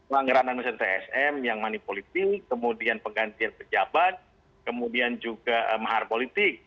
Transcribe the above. pelanggaran nama sentra sm yang manipolitik kemudian penggantian pejabat kemudian juga mahar politik